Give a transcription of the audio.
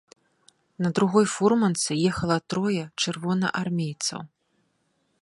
На другой фурманцы ехала трое чырвонаармейцаў.